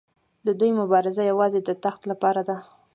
د دوی مبارزه یوازې د تخت لپاره ده.